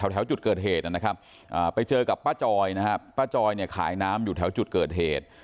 แถวจุดเกิดเหตุนะครับไปเจอกับป้าจอยนะครับป้าจอยเนี่ยขายน้ำอยู่แถวจุดเกิดเหตุ